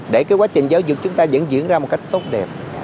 để quá trình giáo dục chúng ta diễn diễn ra một cách tốt đẹp